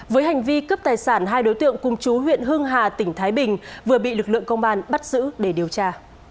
với hành vi cướp tài sản hai đối tượng cùng chú huyện hưng hà tỉnh thái bình vừa bị lực lượng công an bắt giữ để điều tra